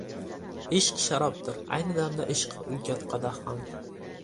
• Ishq sharobdir, ayni damda ishq ulkan qadah ham.